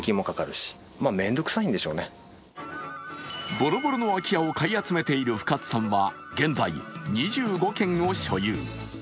ボロボロの空き家を買い集めている深津さんは現在２５件を所有。